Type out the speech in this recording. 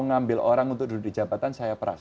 ngambil orang untuk duduk di jabatan saya peras